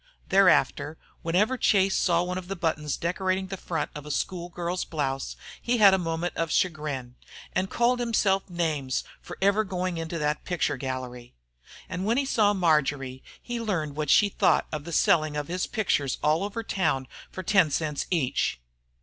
Thereafter whenever Chase saw one of the buttons decorating the front of a school girl's blouse, he had a moment of chagrin, and called himself names for ever going into that picture gallery. And when he saw Marjory he learned what she thought of the selling of his pictures all over town for ten cents each.